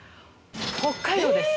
北海道です。